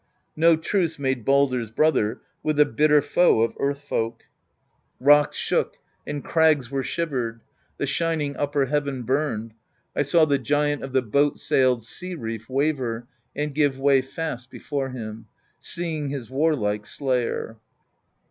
No truce made Baldr's brother With the bitter foe of earth folk. I20 PROSE EDDA Rocks shook, and crags were shivered; The shining Upper Heaven Burned; I saw the giant Of the boat sailed sea reef waver And give way fast before him, Seeing his war like Slayer.